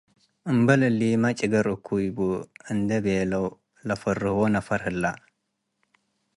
እምበል እሊመ፡ ጭገር እኩይ ቡ እንዴ ቤለው ለፈርህዉ ነፈር ሀለ።